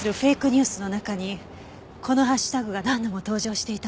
ニュースの中にこのハッシュタグが何度も登場していたの。